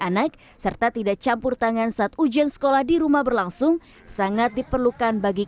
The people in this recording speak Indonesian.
anak serta tidak campur tangan saat ujian sekolah di rumah berlangsung sangat diperlukan bagi